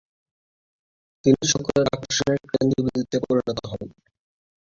তিনি সকলের আকর্ষণের কেন্দ্রবিন্দুতে পরিণত হন।